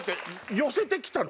寄せて来たの？